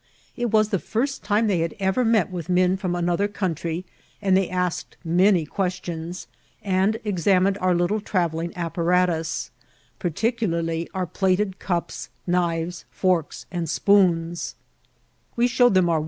It was the first time they had ever met with men firom another country, and they asked many questions, and examined our little travelling apparatus, particularly our plated cupS| knives, forks, and spoons ; we showed them our 8TRANOB CUSTOMS.